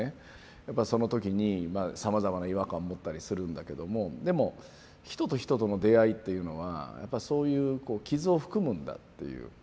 やっぱりその時にさまざまな違和感持ったりするんだけどもでも人と人との出会いっていうのはやっぱそういう傷を含むんだっていう。